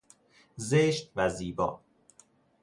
زشت و زیبا